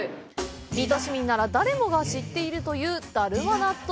水戸市民なら誰もが知っているという「だるま納豆」。